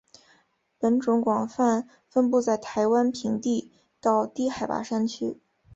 本种广泛分布在台湾平地到低海拔山区。